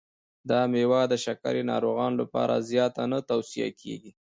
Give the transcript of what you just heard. دا مېوه د شکرې ناروغانو لپاره زیاته نه توصیه کېږي.